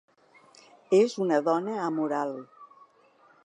És una dona amoral.